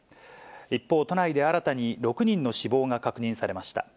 一方、都内で新たに６人の死亡が確認されました。